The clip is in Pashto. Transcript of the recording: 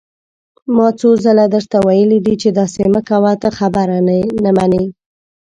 ما څو ځله درته ويلي دي چې داسې مه کوه، ته خبره نه منې!